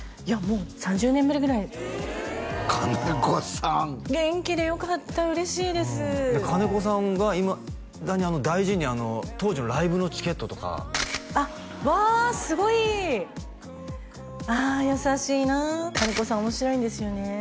いやもう３０年ぶりぐらい金子さん元気でよかった嬉しいです金子さんがいまだに大事にあの当時のライブのチケットとかあっわすごいあ優しいな金子さんおもしろいんですよね